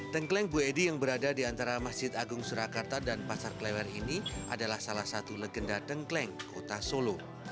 tengkleng bu edi yang berada di antara masjid agung surakarta dan pasar klewer ini adalah salah satu legenda tengkleng kota solo